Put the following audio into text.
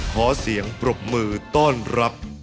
ขอเสียงปรบมือต้อนรับ